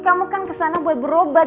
kamu kan kesana buat berobat